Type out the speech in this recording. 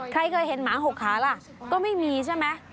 ใครเคยเห็นหมา๖ขาล่ะก็ไม่มีใช่ไหม